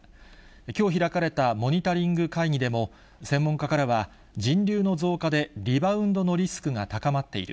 きょう開かれたモニタリング会議でも、専門家からは、人流の増加でリバウンドのリスクが高まっている。